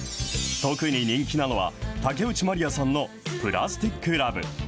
特に人気なのは、竹内まりやさんのプラスティック・ラヴ。